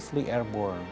menengah jumpa jarak dekat